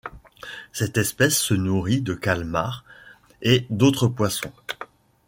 Cette espèce se nourrit de calmars et d'autres poissons.